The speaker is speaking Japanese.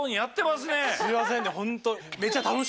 すいませんね本当。